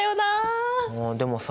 あでもさ。